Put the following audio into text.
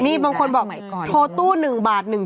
นี่บางคนบอกโทรตู้๑บาท๑ชั่วโมง